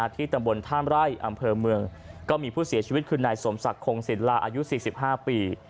ที่ตำบลท่ามไร่อำเภอเมืองก็มีผู้เสียชีวิตคือนายสมศักดิ์คงศิลาอายุ๔๕ปี